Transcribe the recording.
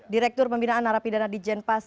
direktur pembinaan narapidana di jenpas